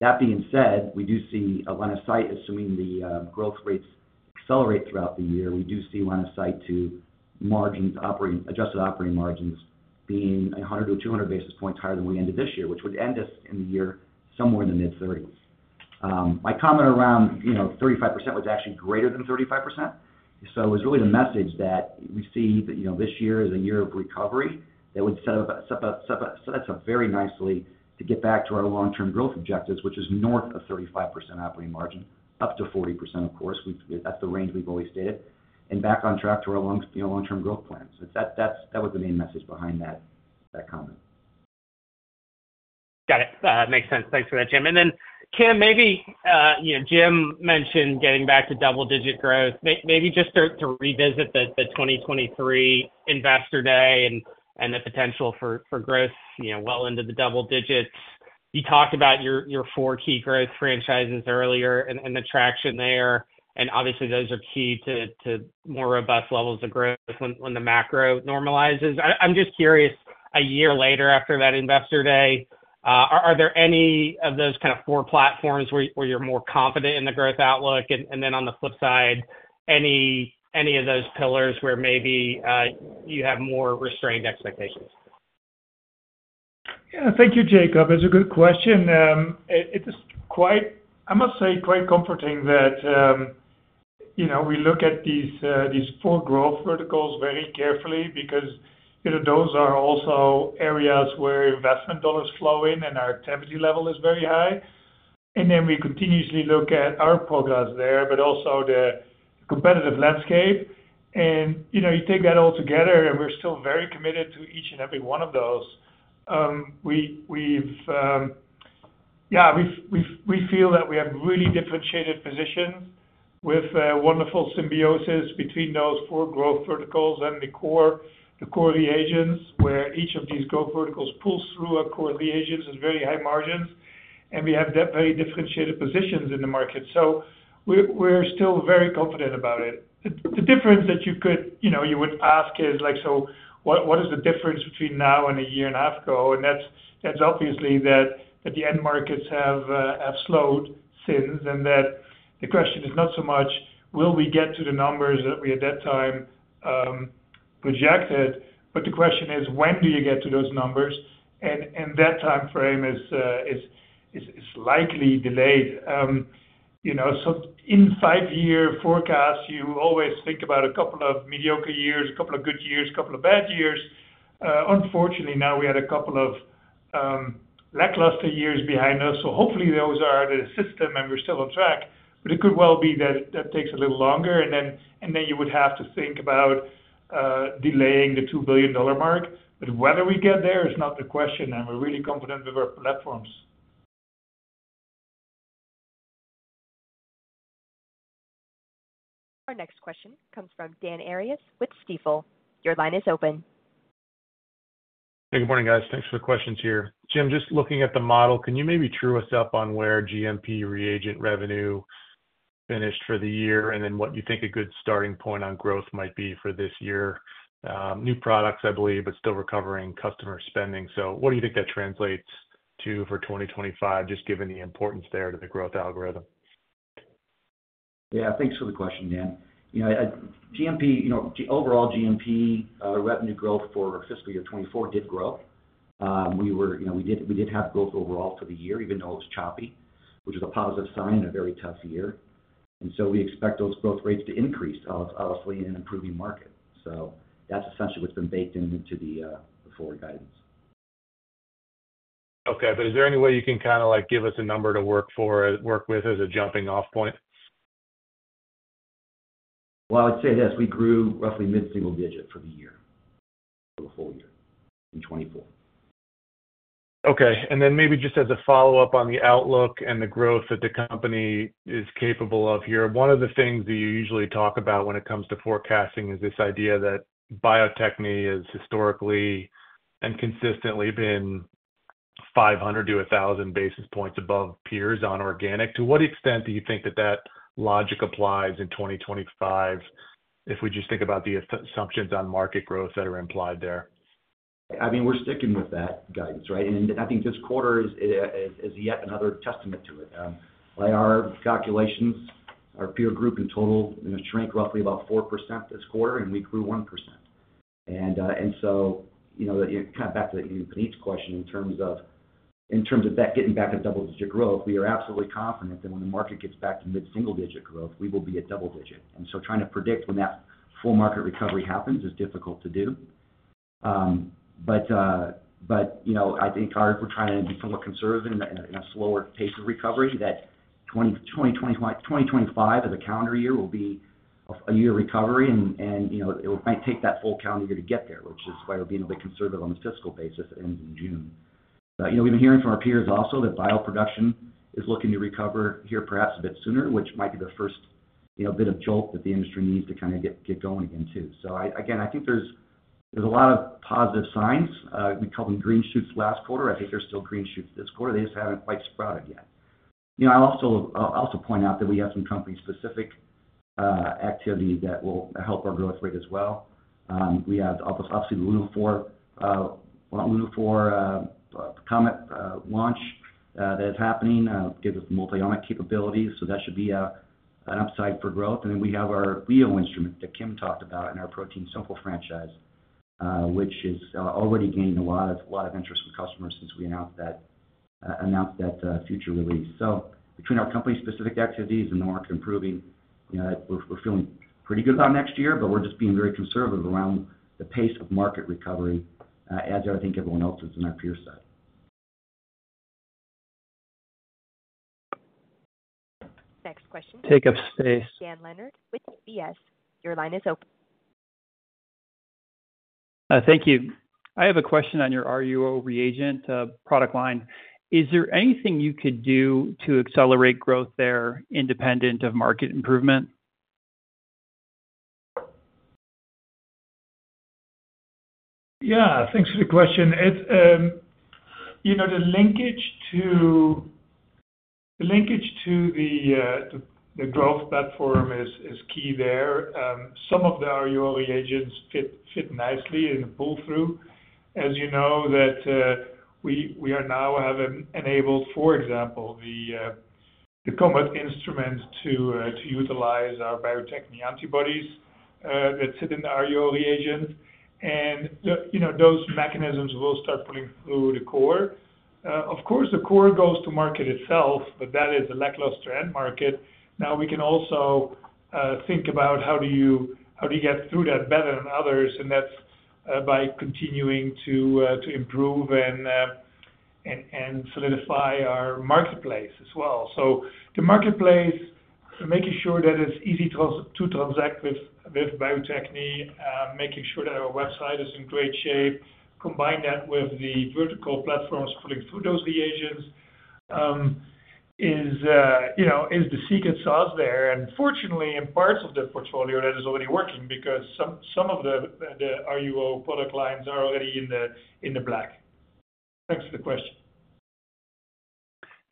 That being said, we do see a line of sight, assuming the, growth rates accelerate throughout the year, we do see a line of sight to margins operating, adjusted operating margins, being 100-200 basis points higher than we ended this year, which would end us in the year somewhere in the mid-30s. My comment around, you know, 35% was actually greater than 35%. So it was really the message that we see that, you know, this year is a year of recovery, that would set us up very nicely to get back to our long-term growth objectives, which is north of 35% operating margin, up to 40%, of course. We've. That's the range we've always stated, and back on track to our long, you know, long-term growth plans. So that was the main message behind that comment. Got it. Makes sense. Thanks for that, Jim. And then, Kim, maybe you know, Jim mentioned getting back to double-digit growth. Maybe just to revisit the 2023 Investor Day and the potential for growth, you know, well into the double digits. You talked about your four key growth franchises earlier and the traction there, and obviously, those are key to more robust levels of growth when the macro normalizes. I'm just curious, a year later, after that Investor Day, are there any of those kind of four platforms where you're more confident in the growth outlook? And then on the flip side, any of those pillars where maybe you have more restrained expectations? Yeah, thank you, Jacob. It's a good question. It is quite, I must say, quite comforting that, you know, we look at these four growth verticals very carefully because, you know, those are also areas where investment dollars flow in and our activity level is very high. We continuously look at our progress there, but also the competitive landscape. You know, you take that all together, and we're still very committed to each and every one of those. We feel that we have really differentiated positions with a wonderful symbiosis between those four growth verticals and the core reagents, where each of these growth verticals pulls through our core reagents is very high margins, and we have definitely very differentiated positions in the market. So we're still very confident about it. The difference that you could, you know, you would ask is like, so what, what is the difference between now and a year and a half ago? And that's obviously that the end markets have slowed since, and that the question is not so much, will we get to the numbers that we, at that time, projected, but the question is, when do you get to those numbers? And that time frame is likely delayed. You know, so in five-year forecasts, you always think about a couple of mediocre years, a couple of good years, a couple of bad years. Unfortunately, now we had a couple of lackluster years behind us, so hopefully, those are out of the system and we're still on track. But it could well be that that takes a little longer, and then, and then you would have to think about delaying the $2 billion mark. But whether we get there is not the question, and we're really confident with our platforms. Our next question comes from Dan Arias with Stifel. Your line is open. Hey, good morning, guys. Thanks for the questions here. Jim, just looking at the model, can you maybe true us up on where GMP reagent revenue finished for the year, and then what you think a good starting point on growth might be for this year? New products, I believe, but still recovering customer spending. So what do you think that translates to for 2025, just given the importance there to the growth algorithm? Yeah, thanks for the question, Dan. You know, in GMP, you know, overall GMP revenue growth for fiscal year 2024 did grow. We, you know, we did have growth overall for the year, even though it was choppy, which is a positive sign in a very tough year. And so we expect those growth rates to increase, obviously, in an improving market. So that's essentially what's been baked into the forward guidance. Okay, but is there any way you can kind of, like, give us a number to work for, work with as a jumping-off point? Well, I'd say this, we grew roughly mid-single digit for the year, for the full-year in 2024. Okay, and then maybe just as a follow-up on the outlook and the growth that the company is capable of here. One of the things that you usually talk about when it comes to forecasting is this idea that Bio-Techne is historically and consistently been 500-1,000 basis points above peers on organic. To what extent do you think that that logic applies in 2025, if we just think about the assumptions on market growth that are implied there? I mean, we're sticking with that guidance, right? And I think this quarter is yet another testament to it. By our calculations, our peer group in total, you know, shrank roughly about 4% this quarter, and we grew 1%. And so, you know, kind of back to Puneet's question in terms of that getting back to double-digit growth, we are absolutely confident that when the market gets back to mid-single-digit growth, we will be at double-digit. And so trying to predict when that full market recovery happens is difficult to do. But, you know, I think we're trying to be somewhat conservative in a slower pace of recovery, that 2025 as a calendar year will be a year of recovery, and, you know, it might take that full calendar year to get there, which is why we're being a bit conservative on the fiscal basis that ends in June. You know, we've been hearing from our peers also that bioproduction is looking to recover here perhaps a bit sooner, which might be the first, you know, bit of jolt that the industry needs to kind of get going again, too. So, again, I think there's a lot of positive signs. We called them green shoots last quarter. I think they're still green shoots this quarter. They just haven't quite sprouted yet. You know, I'll also point out that we have some company-specific activity that will help our growth rate as well. We have obviously the Lunaphore COMET launch that is happening gives us multi-omic capabilities, so that should be an upside for growth. And then we have our Leo instrument that Kim talked about and our ProteinSimple franchise, which is already gaining a lot of interest from customers since we announced that future release. So between our company-specific activities and the market improving, you know, we're feeling pretty good about next year, but we're just being very conservative around the pace of market recovery, as I think everyone else is in our peer set. Next question. Dan Leonard with UBS. Your line is open. Thank you. I have a question on your RUO reagent product line. Is there anything you could do to accelerate growth there, independent of market improvement? Yeah, thanks for the question. It's, you know, the linkage to the growth platform is key there. Some of the RUO reagents fit nicely in the pull-through. As you know, we now have enabled, for example, the COMET instrument to utilize our Bio-Techne antibodies that sit in the RUO reagent. And you know, those mechanisms will start pulling through the core. Of course, the core goes to market itself, but that is a lackluster end market. Now, we can also think about how do you get through that better than others? And that's by continuing to improve and solidify our marketplace as well. So the marketplace, making sure that it's easy to transact with Bio-Techne, making sure that our website is in great shape. Combine that with the vertical platforms pulling through those reagents, you know, is the secret sauce there. And fortunately, in parts of the portfolio, that is already working because some of the RUO product lines are already in the black. Thanks for the question.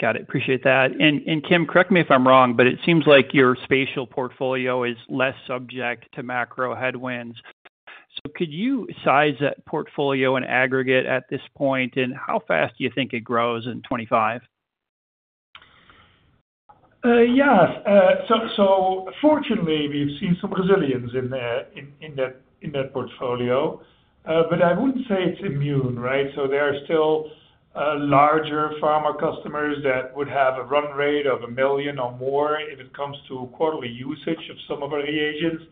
Got it. Appreciate that. And Kim, correct me if I'm wrong, but it seems like your spatial portfolio is less subject to macro headwinds. So could you size that portfolio in aggregate at this point, and how fast do you think it grows in 2025? Yeah. So fortunately, we've seen some resilience in that portfolio. But I wouldn't say it's immune, right? So there are still larger pharma customers that would have a run rate of one million or more if it comes to quarterly usage of some of our reagents.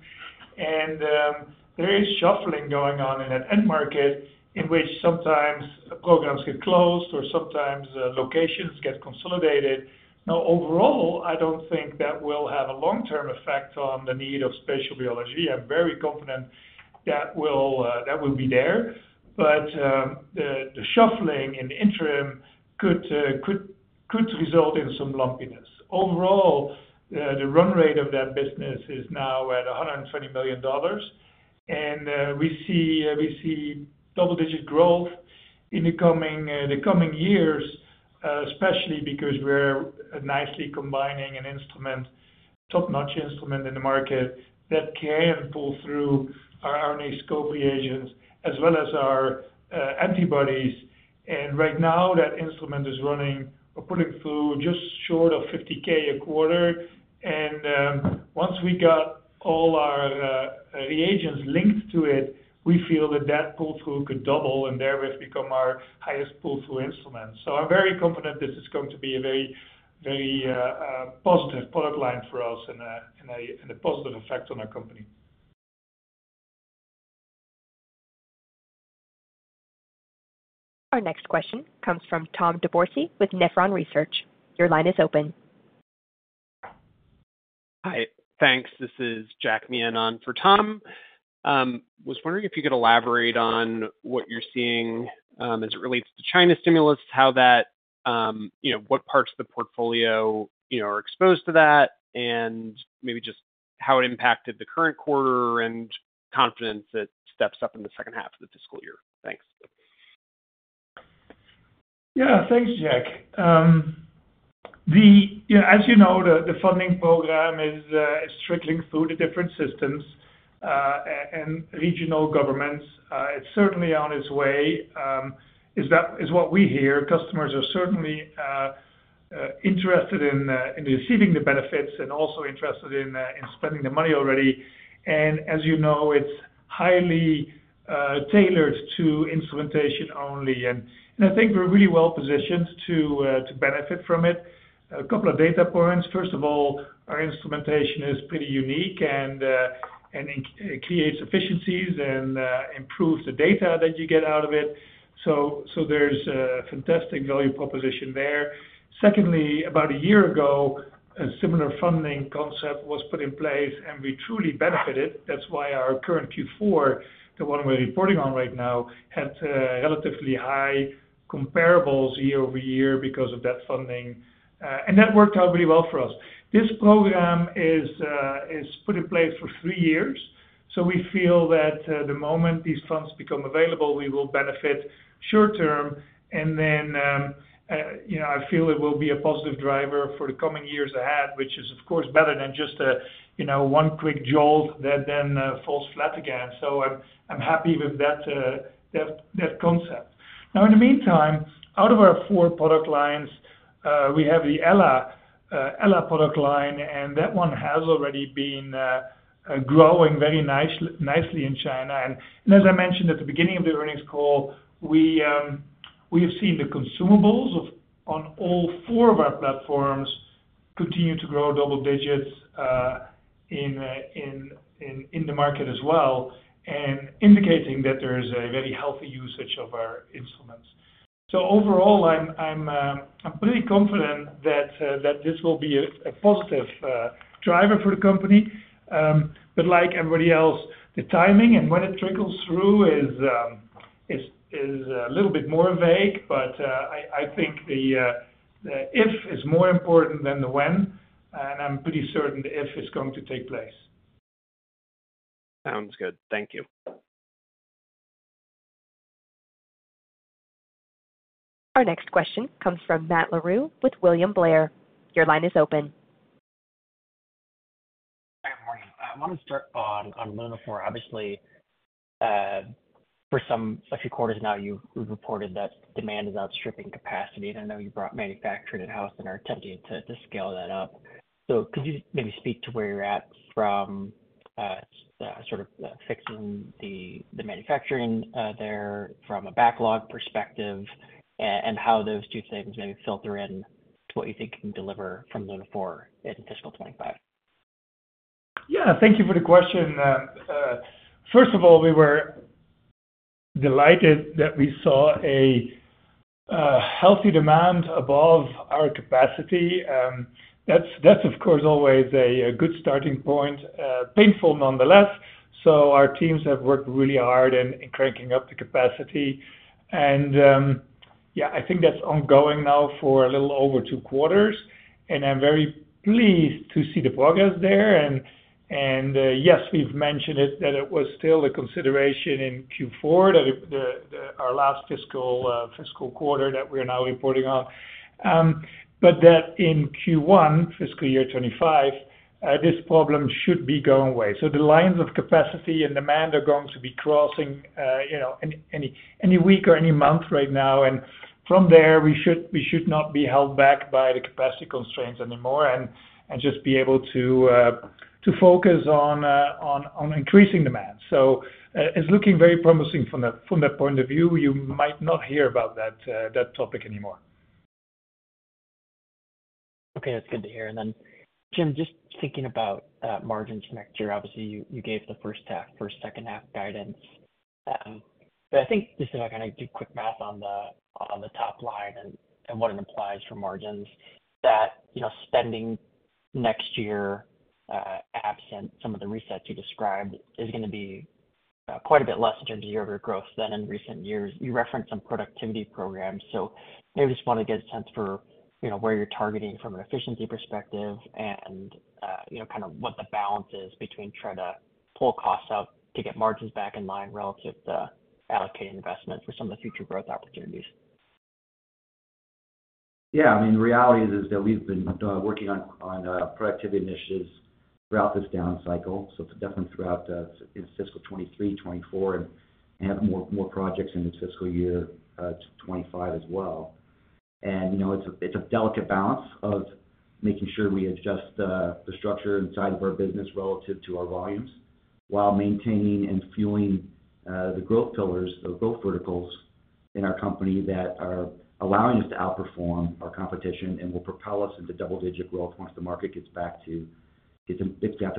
And there is shuffling going on in that end market, in which sometimes programs get closed or sometimes locations get consolidated. Now, overall, I don't think that will have a long-term effect on the need of spatial biology. I'm very confident that will be there. But the shuffling in the interim could result in some lumpiness. Overall, the run rate of that business is now at $120 million, and we see double-digit growth in the coming years, especially because we're nicely combining an instrument, top-notch instrument in the market, that can pull through our RNAscope reagents as well as our antibodies. And right now, that instrument is running or pulling through just short of $50,000 a quarter. And once we got all our reagents linked to it, we feel that that pull-through could double and thereby become our highest pull-through instrument. So I'm very confident this is going to be a very, very positive product line for us and a positive effect on our company. Our next question comes from Tom DeBourcy with Nephron Research. Your line is open. Hi, thanks. This is Jack Meehan on for Tom DeBourcy. Was wondering if you could elaborate on what you're seeing, as it relates to China stimulus, how that, you know, what parts of the portfolio, you know, are exposed to that, and maybe just how it impacted the current quarter and confidence it steps up in the second half of the fiscal year. Thanks. Yeah. Thanks, Jack. The, you know, as you know, the funding program is trickling through the different systems and regional governments. It's certainly on its way. That's what we hear. Customers are certainly interested in receiving the benefits and also interested in spending the money already. And as you know, it's highly tailored to instrumentation only, and I think we're really well positioned to benefit from it. A couple of data points. First of all, our instrumentation is pretty unique, and it creates efficiencies and improves the data that you get out of it. So there's a fantastic value proposition there. Secondly, about a year ago, a similar funding concept was put in place, and we truly benefited. That's why our current Q4, the one we're reporting on right now, had relatively high comparables year-over-year because of that funding, and that worked out really well for us. This program is, is put in place for three years, so we feel that the moment these funds become available, we will benefit short term, and then, you know, I feel it will be a positive driver for the coming years ahead, which is, of course, better than just a, you know, one quick jolt that then falls flat again. So I'm, I'm happy with that, that, that concept. Now, in the meantime, out of our four product lines, we have the Ella, Ella product line, and that one has already been growing very nicely in China. As I mentioned at the beginning of the earnings call, we have seen the consumables on all four of our platforms continue to grow double digits in the market as well, and indicating that there is a very healthy usage of our instruments. So overall, I'm pretty confident that this will be a positive driver for the company. But like everybody else, the timing and when it trickles through is a little bit more vague, but I think the if is more important than the when, and I'm pretty certain the if is going to take place. Sounds good. Thank you. Our next question comes from Matt Larew with William Blair. Your line is open. Hi, morning. I want to start on Lunaphore. Obviously, for some, a few quarters now, you've reported that demand is outstripping capacity, and I know you brought manufacturing in-house and are attempting to scale that up. So could you maybe speak to where you're at from sort of fixing the manufacturing there from a backlog perspective, and how those two things maybe filter in to what you think you can deliver from Lunaphore in fiscal 2025? Yeah, thank you for the question. First of all, we were delighted that we saw a healthy demand above our capacity. That's, of course, always a good starting point, painful nonetheless. So our teams have worked really hard in cranking up the capacity. And, yeah, I think that's ongoing now for a little over two quarters, and I'm very pleased to see the progress there. And, yes, we've mentioned it, that it was still a consideration in Q4, that the our last fiscal fiscal quarter that we're now reporting on. But that in Q1, fiscal year 2025, this problem should be going away. So the lines of capacity and demand are going to be crossing, you know, any week or any month right now. From there, we should, we should not be held back by the capacity constraints anymore, and, and just be able to, to focus on, on, on increasing demand. So, it's looking very promising from that, from that point of view, you might not hear about that, that topic anymore. Okay, that's good to hear. And then, Jim, just thinking about margins next year. Obviously, you gave the first half for second half guidance. But I think just if I kinda do quick math on the top line and what it implies for margins, that you know, spending next year, absent some of the resets you described, is gonna be quite a bit less than year-over-year growth than in recent years. You referenced some productivity programs, so maybe just want to get a sense for you know, where you're targeting from an efficiency perspective and you know, kind of what the balance is between trying to pull costs out to get margins back in line relative to allocating investment for some of the future growth opportunities. Yeah, I mean, the reality is that we've been working on productivity initiatives throughout this down cycle, so definitely throughout fiscal 2023, 2024, and have more projects in the fiscal year 2025 as well. And, you know, it's a delicate balance of making sure we adjust the structure inside of our business relative to our volumes, while maintaining and fueling the growth pillars or growth verticals in our company that are allowing us to outperform our competition and will propel us into double-digit growth once the market gets back to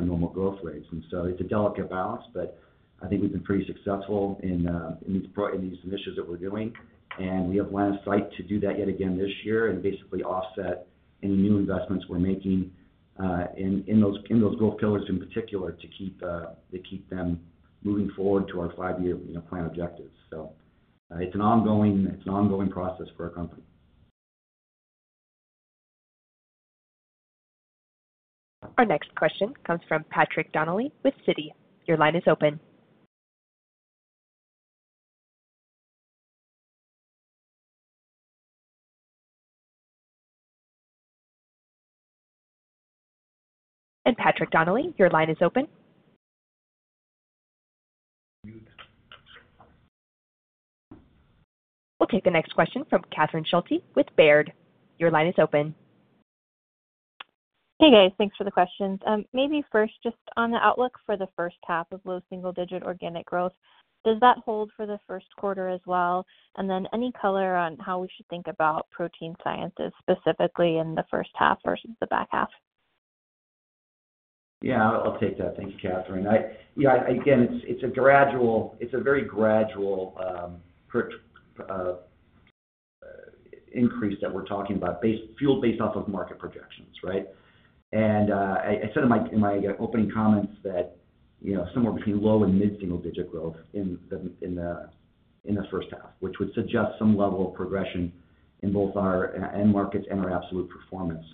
normal growth rates. It's a delicate balance, but I think we've been pretty successful in these initiatives that we're doing, and we have line of sight to do that yet again this year and basically offset any new investments we're making in those growth pillars in particular, to keep them moving forward to our five-year, you know, plan objectives. So it's an ongoing process for our company. Our next question comes from Patrick Donnelly with Citi. Your line is open. And Patrick Donnelly, your line is open. We'll take the next question from Catherine Schulte with Baird. Your line is open. Hey, guys. Thanks for the questions. Maybe first, just on the outlook for the first half of low single digit organic growth, does that hold for the first quarter as well? And then any color on how we should think Protein Sciences, specifically in the first half versus the back half? Yeah, I'll take that. Thanks, Catherine. Yeah, again, it's a gradual increase that we're talking about, based off of market projections, right? And I said in my opening comments that, you know, somewhere between low and mid-single digit growth in the first half, which would suggest some level of progression in both our end markets and our absolute performance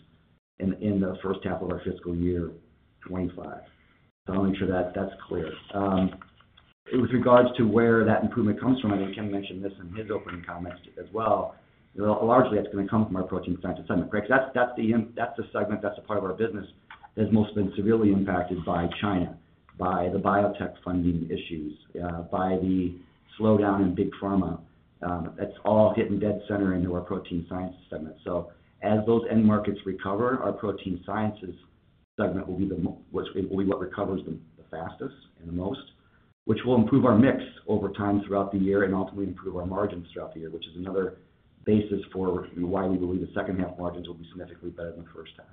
in the first half of our fiscal year 2025. So I want to make sure that that's clear. With regards to where that improvement comes from, I know Kim mentioned this in his opening comments as well, largely that's gonna come from our Protein Sciences segment, right? Because that's the segment, that's the part of our business that's most been severely impacted by China, by the biotech funding issues, by the slowdown in big pharma. That's all hitting dead center into Protein Sciences segment. So as those end markets recover, Protein Sciences segment will be the most, which will be what recovers the fastest and the most, which will improve our mix over time throughout the year and ultimately improve our margins throughout the year, which is another basis for why we believe the second half margins will be significantly better than the first half.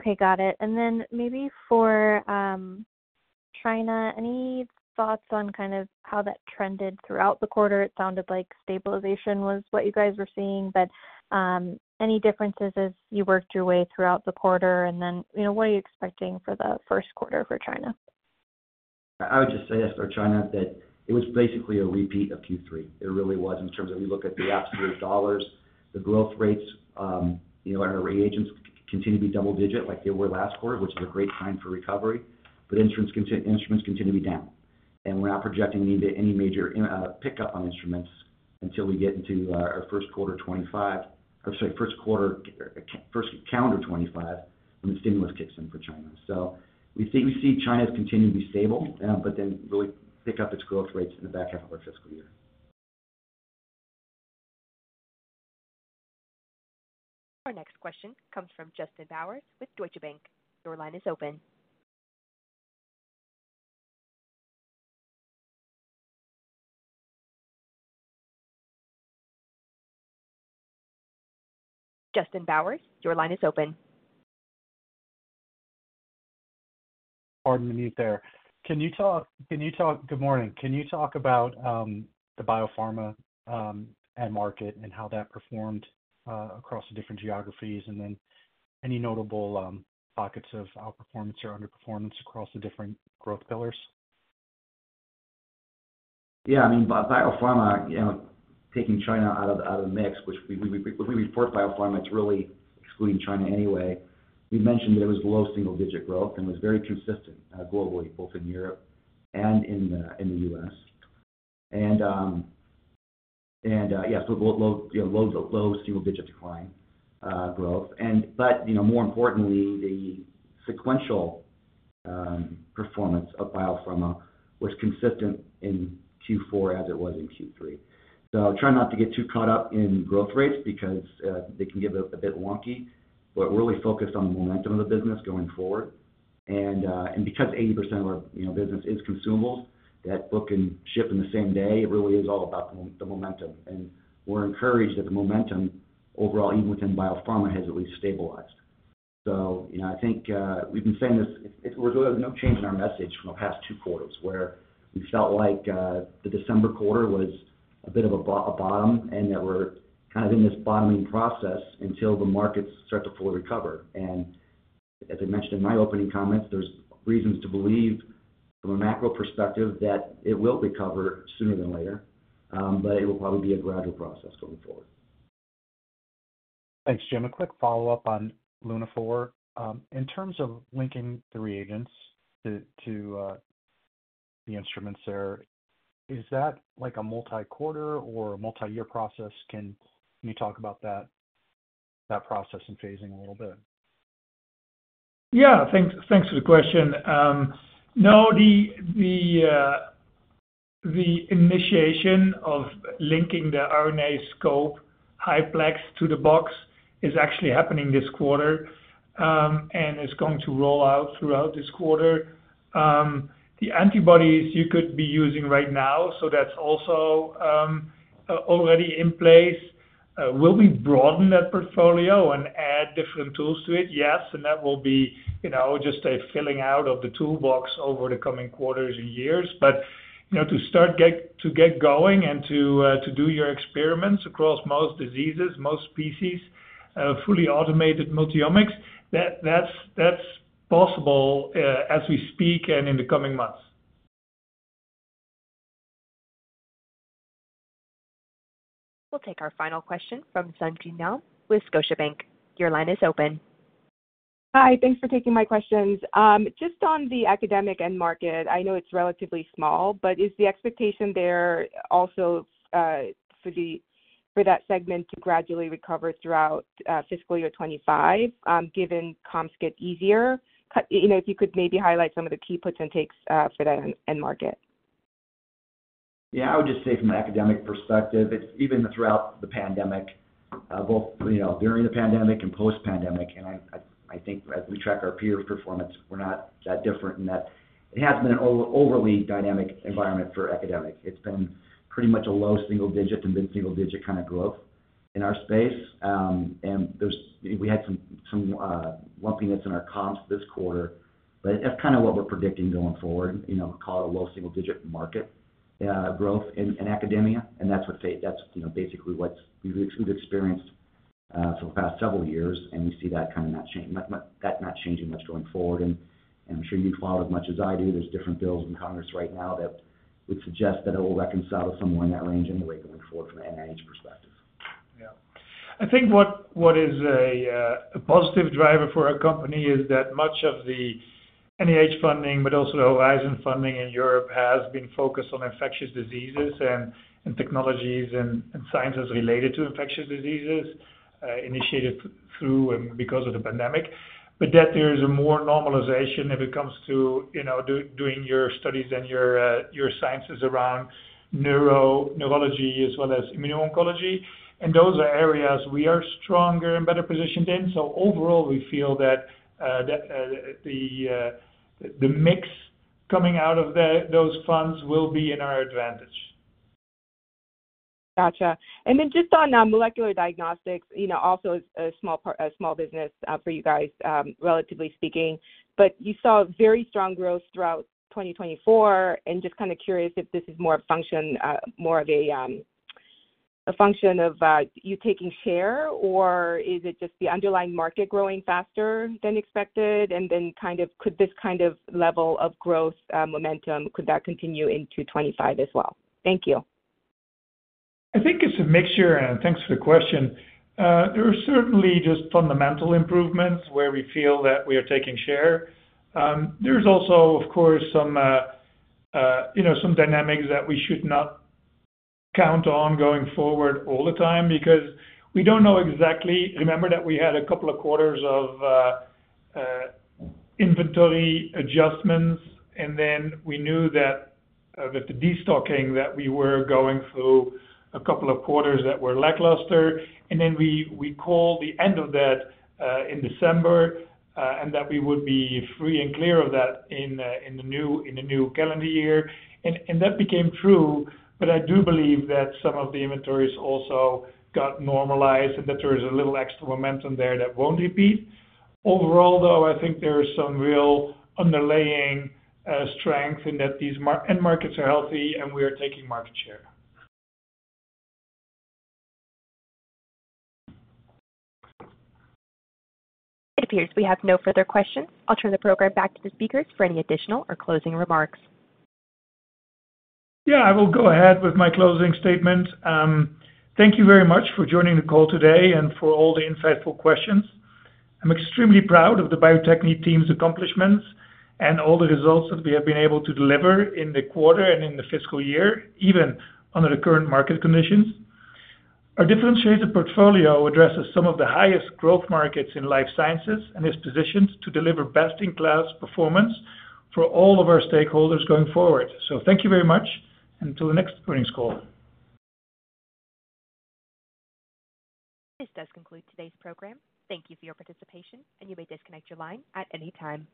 Okay, got it. Then maybe for China, any thoughts on kind of how that trended throughout the quarter? It sounded like stabilization was what you guys were seeing, but any differences as you worked your way throughout the quarter, and then, you know, what are you expecting for the first quarter for China? I would just say, as for China, that it was basically a repeat of Q3. It really was, in terms of you look at the absolute dollars, the growth rates, you know, our reagents continue to be double digit like they were last quarter, which is a great sign for recovery, but instruments continue to be down. We're not projecting any major pickup on instruments until we get into our first quarter 2025, or sorry, first calendar 2025, when the stimulus kicks in for China. So we see China as continuing to be stable, but then really pick up its growth rates in the back half of our fiscal year. Our next question comes from Justin Bowers with Deutsche Bank. Your line is open. Justin Bowers, your line is open. Pardon the mute there. Can you talk, can you talk, good morning. Can you talk about the biopharma end market and how that performed across the different geographies? And then any notable pockets of outperformance or underperformance across the different growth pillars? Yeah, I mean, biopharma, you know, taking China out of the mix, which we, when we report biopharma, it's really excluding China anyway. We mentioned that it was low single digit growth and was very consistent globally, both in Europe and in the U.S. And yes, so low, you know, low single digit decline, growth. But, you know, more importantly, the sequential performance of biopharma was consistent in Q4 as it was in Q3. So try not to get too caught up in growth rates because they can give a bit wonky, but really focused on the momentum of the business going forward. And because 80% of our business is consumable, that book and ship in the same day, it really is all about the momentum. We're encouraged that the momentum overall, even within biopharma, has at least stabilized. So, you know, I think, we've been saying this, it was really no change in our message from the past two quarters, where we felt like, the December quarter was a bit of a bottom, and that we're kind of in this bottoming process until the markets start to fully recover. And as I mentioned in my opening comments, there's reasons to believe, from a macro perspective, that it will recover sooner than later, but it will probably be a gradual process going forward. Thanks, Jim. A quick follow-up on Lunaphore. In terms of linking the reagents to, to, the instruments there, is that like a multi-quarter or a multi-year process? Can you talk about that, that process and phasing a little bit? Yeah. Thanks, thanks for the question. No, the initiation of linking the RNAscope HiPlex to the COMET is actually happening this quarter, and is going to roll out throughout this quarter. The antibodies you could be using right now, so that's also already in place. Will we broaden that portfolio and add different tools to it? Yes, and that will be, you know, just a filling out of the toolbox over the coming quarters and years. But, you know, to start, to get going and to do your experiments across most diseases, most species, fully automated multiomics, that's possible as we speak and in the coming months. We'll take our final question from Sung Ji Nam with Scotiabank. Your line is open. Hi, thanks for taking my questions. Just on the academic end market, I know it's relatively small, but is the expectation there also for that segment to gradually recover throughout fiscal year 2025, given comps get easier? You know, if you could maybe highlight some of the key puts and takes for that end market. Yeah, I would just say from an academic perspective, it's even throughout the pandemic, both, you know, during the pandemic and post-pandemic, and I think as we track our peer performance, we're not that different in that it hasn't been an overly dynamic environment for academic. It's been pretty much a low single digit to mid-single digit kind of growth in our space. And we had some lumpiness in our comps this quarter, but that's kind of what we're predicting going forward. You know, call it a low single digit market growth in academia, and that's what, you know, basically what we've experienced for the past several years, and we see that kind of not changing much going forward. I'm sure you follow as much as I do, there's different bills in Congress right now that would suggest that it will reconcile somewhere in that range anyway, going forward from an NIH perspective. Yeah. I think what is a positive driver for our company is that much of the NIH funding, but also the Horizon funding in Europe, has been focused on infectious diseases and technologies and sciences related to infectious diseases, initiated through and because of the pandemic. But that there is a more normalization as it comes to, you know, doing your studies and your sciences around neurology as well as immuno-oncology, and those are areas we are stronger and better positioned in. So overall, we feel that the mix coming out of those funds will be in our advantage. Gotcha. And then just on molecular diagnostics, you know, also a small part, a small business, for you guys, relatively speaking, but you saw very strong growth throughout 2024. And just kind of curious if this is more a function of you taking share, or is it just the underlying market growing faster than expected? And then kind of, could this kind of level of growth momentum, could that continue into 2025 as well? Thank you. I think it's a mixture, and thanks for the question. There are certainly just fundamental improvements where we feel that we are taking share. There's also, of course, some, you know, some dynamics that we should not count on going forward all the time, because we don't know exactly. Remember that we had a couple of quarters of inventory adjustments, and then we knew that, with the destocking, that we were going through a couple of quarters that were lackluster. And then we call the end of that, in December, and that we would be free and clear of that in the new calendar year. And that became true, but I do believe that some of the inventories also got normalized, and that there is a little extra momentum there that won't repeat. Overall, though, I think there is some real underlying strength in that these end markets are healthy and we are taking market share. It appears we have no further questions. I'll turn the program back to the speakers for any additional or closing remarks. Yeah, I will go ahead with my closing statement. Thank you very much for joining the call today and for all the insightful questions. I'm extremely proud of the Bio-Techne team's accomplishments and all the results that we have been able to deliver in the quarter and in the fiscal year, even under the current market conditions. Our differentiated portfolio addresses some of the highest growth markets in life sciences and is positioned to deliver best-in-class performance for all of our stakeholders going forward. So thank you very much, and till the next earnings call. This does conclude today's program. Thank you for your participation, and you may disconnect your line at any time.